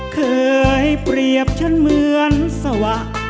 เคยเปรียบฉันเหมือนสวะ